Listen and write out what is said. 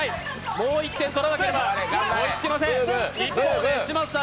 もう１点取らなければ追いつけません。